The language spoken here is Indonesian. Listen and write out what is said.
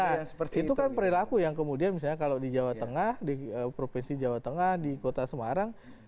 nah itu kan perilaku yang kemudian misalnya kalau di jawa tengah di provinsi jawa tengah di kota semarang